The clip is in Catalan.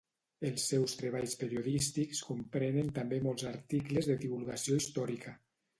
Els seus treballs periodístics comprenen també molts articles de divulgació històrica.